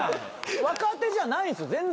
若手じゃないんですよ全然。